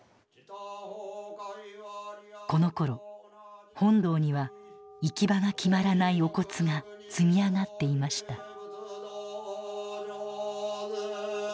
このころ本堂には行き場が決まらないお骨が積み上がっていました。